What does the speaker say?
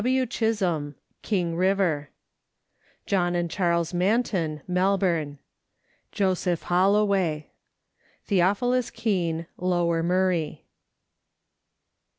W. Chisholm, King River John and Charles Manton. Melbourne Joseph Holloway Theophilus Keene, Lower Murray.